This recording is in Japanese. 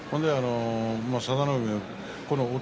佐田の海。